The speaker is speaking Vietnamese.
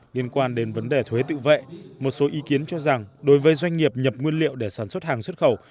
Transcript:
liên quan đến vấn đề thuế tự vệ một số ý kiến cho rằng đối với doanh nghiệp nhập nguyên liệu để sản xuất hàng xuất khẩu